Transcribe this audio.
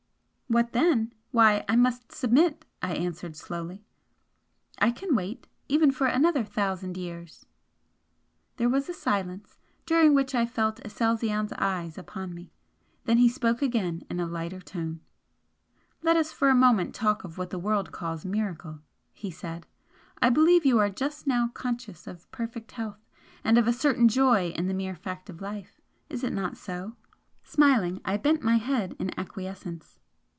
"What then? Why, I must submit!" I answered, slowly "I can wait, even for another thousand years!" There was a silence, during which I felt Aselzion's eyes upon me. Then he spoke again in a lighter tone. "Let us for the moment talk of what the world calls 'miracle'" he said "I believe you are just now conscious of perfect health, and of a certain joy in the mere fact of life. Is it not so?" Smiling, I bent my head in acquiescence.